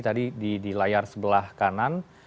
tadi di layar sebelah kanan